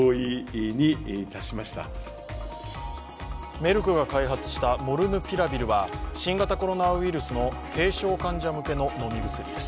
メルクが開発したモルヌピラビルは新型コロナウイルスの軽症患者向けの飲み薬です。